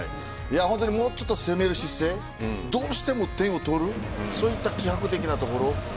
本当にもうちょっと攻める姿勢どうしても点を取るそういった気迫的なところ。